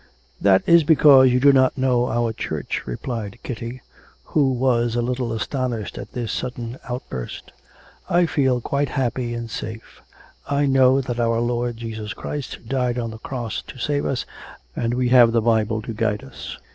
That is because you do not know our Church,' replied Kitty, who was a little astonished at this sudden outburst. 'I feel quite happy and safe. I know that our Lord Jesus Christ died on the Cross to save us, and we have the Bible to guide us.'